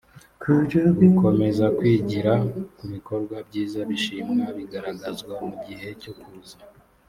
gukomeza kwigira ku bikorwa byiza bishimwa bigaragazwa mu gihe cyokuza